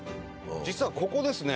実はここですね